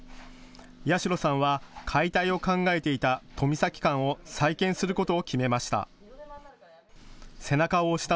八代さんは解体を考えていた富崎館を再建することを決めました。